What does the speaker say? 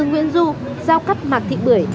giao cắt mạc thị bưởi